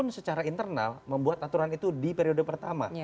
pan secara internal membuat aturan itu di periode pertama